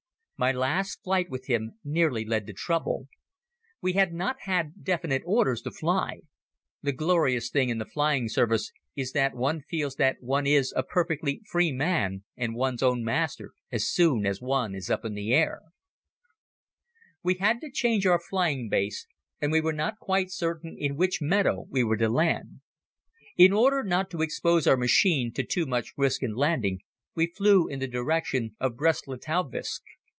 My last flight with him nearly led to trouble. We had not had definite orders to fly. The glorious thing in the flying service is that one feels that one is a perfectly free man and one's own master as soon as one is up in the air. [Illustration: THE FAMOUS RICHTHOFEN "CIRCUS"] We had to change our flying base and we were not quite certain in which meadow we were to land. In order not to expose our machine to too much risk in landing we flew in the direction of Brest Litovsk.